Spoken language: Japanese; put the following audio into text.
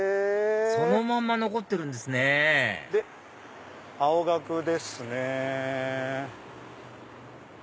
そのまんま残ってるんですねで青学ですね。